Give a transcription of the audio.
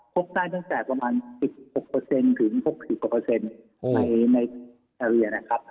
พบได้ตั้งแต่ประมาณ๑๖เปอร์เซ็นต์ถึง๖๐กว่าเปอร์เซ็นต์ในทะเลนะครับ